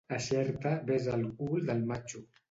A Xerta, besa el cul del matxo.